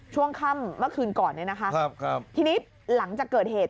ช่วงค่ำเมื่อคืนก่อนเนี่ยนะคะครับทีนี้หลังจากเกิดเหตุ